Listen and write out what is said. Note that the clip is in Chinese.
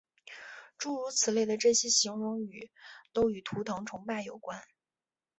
诸如此类的这些形容语都与图腾崇拜有关。